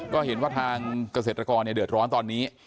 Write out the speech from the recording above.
ก็เห็นว่าทางเกษตรกรเดือดร้อนตอนนี้